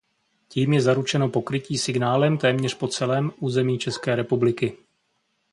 Tím je zaručeno pokrytí signálem téměř po celém území České republiky.